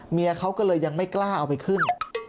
เมียเขาก็เลยยังไม่กล้าเอาไปขึ้น